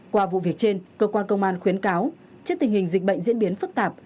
qua vụ việc trên cơ quan công an khuyến cáo trước tình hình dịch bệnh diễn biến phức tạp